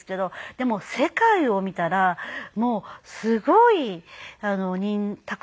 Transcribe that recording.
でも世界を見たらもうすごいたくさんの方がやっていて。